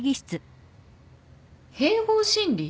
併合審理？